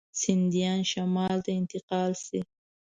سیندهیا شمال ته انتقال شي.